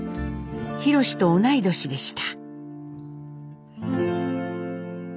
ひろしと同い年でした。